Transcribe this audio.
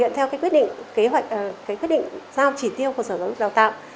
thứ nhất công tác tuyển sinh ở đây là thực hiện theo quyết định giao chỉ tiêu của sở giáo dục đào tạo